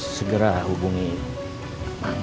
segera hubungi bang